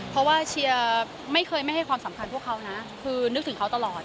เพราะว่าเชียร์ไม่เคยไม่ให้ความสำคัญพวกเขานะคือนึกถึงเขาตลอด